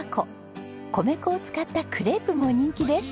米粉を使ったクレープも人気です。